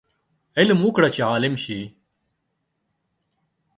علم وکړه چې عالم شې